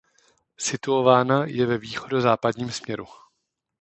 Situována je ve východo–západním směru.